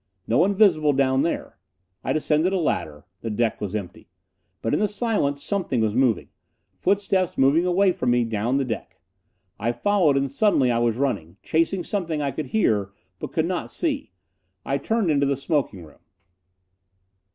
No one visible down there. I descended a ladder. The deck was empty. But in the silence something was moving! Footsteps moving away from me down the deck! I followed; and suddenly I was running. Chasing something I could hear, but could not see. It turned into the smoking room.